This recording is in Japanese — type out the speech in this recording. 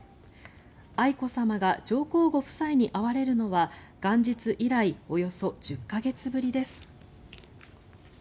愛子さまが上皇ご夫妻に会われるのは元日以来およそ１０か月ぶりです。